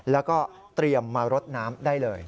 แล้วก็เตรียมมารดน้ำได้เลย